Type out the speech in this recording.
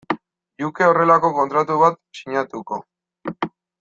luke horrelako kontratu bat sinatuko.